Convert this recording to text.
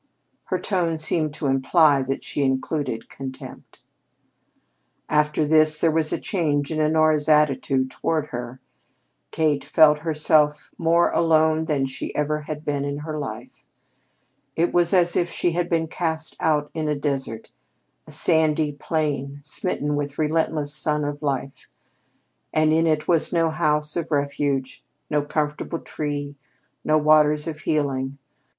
Her tone seemed to imply that she included contempt. After this, there was a change in Honora's attitude toward her. Kate felt herself more alone than she ever had been in her life. It was as if she had been cast out into a desert a sandy plain smitten with the relentless Sun of Life, and in it was no house of refuge, no comfortable tree, no waters of healing.